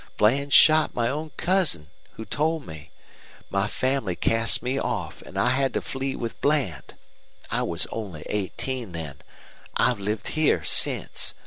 Bland shot my own cousin, who told me. My family cast me off, and I had to flee with Bland. I was only eighteen then. I've lived here since.